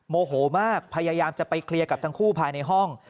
โมโหมากพยายามจะไปเคลียร์กับทั้งคู่ภายในห้อง